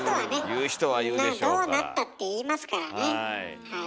どうなったって言いますからねはい。